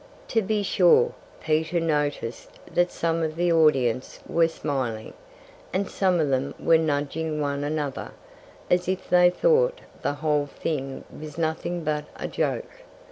To be sure, Peter noticed that some of the audience were smiling; and some of them were nudging one another, as if they thought the whole thing was nothing but a joke.